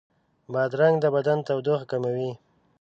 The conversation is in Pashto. بادرنګ د بدن تودوخه کموي.